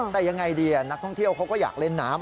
แต่ยังไงดีนักท่องเที่ยวเขาก็อยากเล่นน้ำ